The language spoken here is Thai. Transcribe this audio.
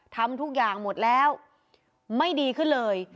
ทำทุกอย่างหมดแล้วไม่ดีขึ้นเลย